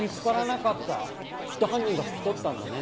きっと犯人が拭き取ったんだね。